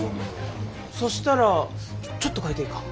そしたらちょっと描いていいか？